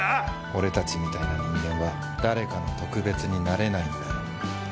俺たちみたいな人間は誰かの特別になれないんだよ。